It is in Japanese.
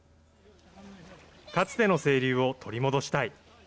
かつての清流を取り戻したい。